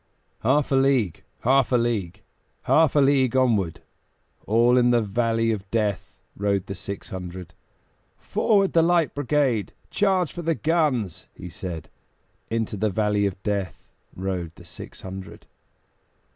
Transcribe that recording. Half a league, half a league, Half a league onward, All in the valley of Death Rode the six hundred. "Forward, the Light Brigade! Charge for the guns!" he said; Into the valley of Death Rode the six hundred.